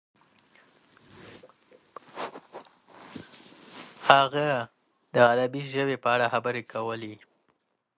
هغه د عربي ژبې په اړه خبرې کولې.